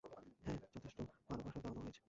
হ্যা, যথেষ্ট ভালবাসা দেওয়া-নেওয়া হয়েছে।